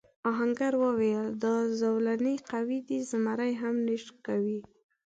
آهنګر وویل دا زولنې قوي دي زمری هم نه شکوي.